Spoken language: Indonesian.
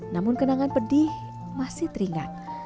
namun kenangan pedih masih teringat